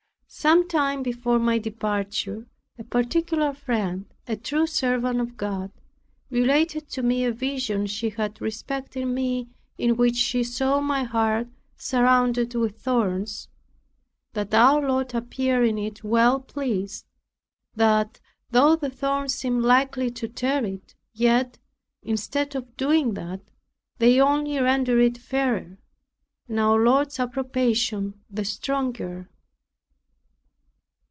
Some time before my departure, a particular friend, a true servant of God, related to me a vision she had respecting me. "She saw my heart surrounded with thorns; that our Lord appeared in it well pleased; that, though the thorns seemed likely to tear it, yet, instead of doing that, they only rendered it fairer, and our Lord's approbation the stronger."